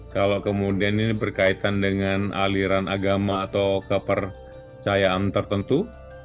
kalau kemudian ini berkaitan dengan aliran agama atau kepercayaan tertentu